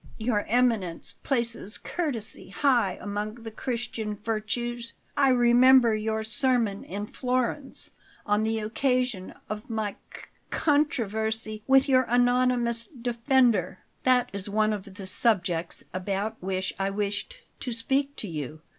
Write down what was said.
Your Eminence places courtesy high among the Christian virtues. I remember your sermon in Florence, on the occasion of my c controversy with your anonymous defender." "That is one of the subjects about which I wished to speak to you.